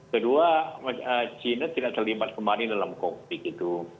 kedua china tidak terlibat kemarin dalam konflik itu